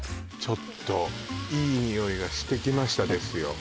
ちょっといい匂いがしてきましたですよ